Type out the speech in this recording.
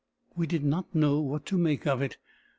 We did not know what to make of it.